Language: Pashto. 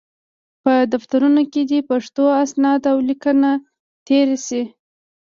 په دفترونو کې دې پښتو اسناد او لیکونه تېر شي.